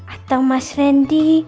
atau mas randy